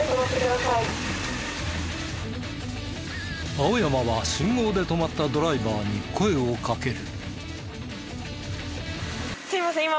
青山は信号で止まったドライバーに声をかける。